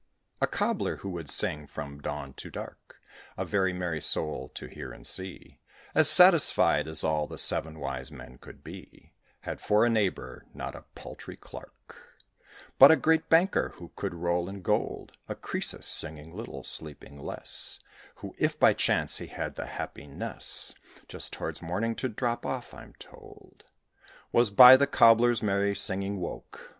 A Cobbler, who would sing from dawn to dark (A very merry soul to hear and see, As satisfied as all the Seven Wise Men could be), Had for a neighbour, not a paltry clerk, But a great Banker, who could roll in gold: A Crœsus, singing little, sleeping less; Who, if by chance he had the happiness, Just towards morning, to drop off, I'm told, Was by the Cobbler's merry singing woke.